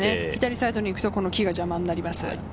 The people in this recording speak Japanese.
左サイドに行くと、この木が邪魔になります。